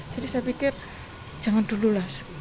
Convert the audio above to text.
jadi saya pikir jangan dulu lah